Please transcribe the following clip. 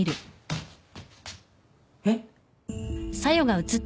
えっ？